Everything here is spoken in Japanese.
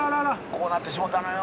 こうなってしもたのよ。